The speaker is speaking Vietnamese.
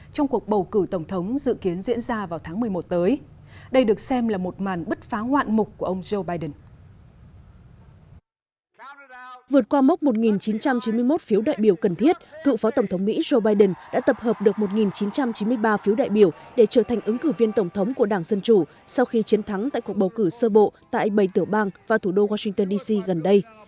tổng thống mỹ joe biden đã tập hợp được một chín trăm chín mươi ba phiếu đại biểu để trở thành ứng cử viên tổng thống của đảng dân chủ sau khi chiến thắng tại cuộc bầu cử sơ bộ tại bảy tiểu bang và thủ đô washington dc gần đây